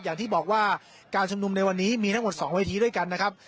อย่างที่บอกว่าการชุมนุมในวันนี้มีทั้งหมด๒เวทีด้วยกันนะครับ